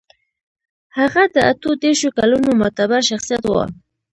هغه د اتو دېرشو کلونو معتبر شخصيت و.